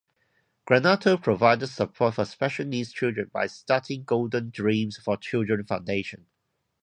Granato provided support for special needs children by starting Golden Dreams for Children Foundation.